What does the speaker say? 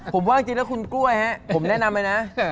ผมว่าจริงแล้วคุณกล้วยฮะผมแนะนำเลยนะ